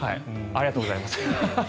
ありがとうございます。